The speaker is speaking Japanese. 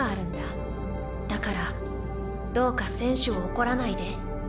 だからどうか選手を怒らないで。